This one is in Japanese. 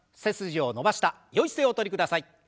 背筋を伸ばしたよい姿勢おとりください。